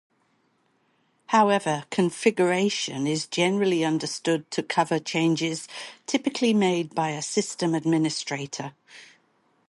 However, "configuration" is generally understood to cover changes typically made by a system administrator.